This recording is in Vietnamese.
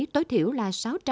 tối thiểu là